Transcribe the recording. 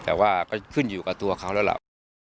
แต่ว่าก็ขึ้นอยู่กับตัวเขาแล้วล่ะว่า